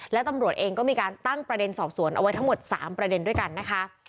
และตำรวจเองก็มีการตั้งประเด็นสอบสวนเอาไว้ทั้งหมด๓ประเด็นด้วยกันนะคะ